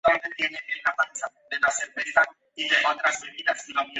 Es el encargado de supervisar el proyecto Hermes de Gabriel.